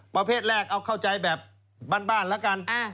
ประเภทแรกเอาเข้าใจแบบบ้านแล้วกัน